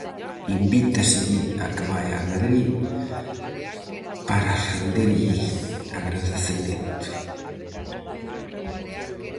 Invítaselle a que vaia a Madrid para renderlle agradecemento.